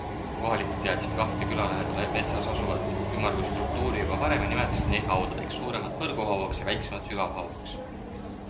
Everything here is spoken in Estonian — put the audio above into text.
Kohalikud teadsid kahte küla lähedal metsas asuvat ümmargust struktuuri juba varem ja nimetasid neid haudadeks - suuremat Põrguhauaks ja väiksemat Sügavhauaks.